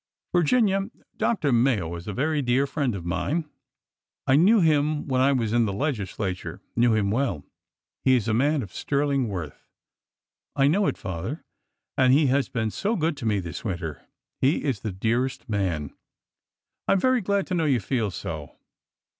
" Virginia, Dr. Mayo is a very dear friend of mine. I knew him when I was in the legislature — knew him well. He is a man of sterling worth." I know it, father. And he has been so good to me this winter. He is the dearest man !" I am very glad to know you feel so.